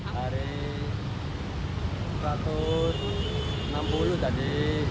dari satu ratus enam puluh tadi satu ratus enam puluh